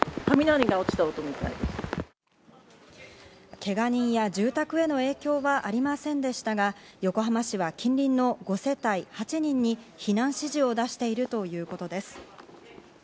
けが人や住宅への影響はありませんでしたが、横浜市は近隣の５世帯８人に避難指示を出しているということです。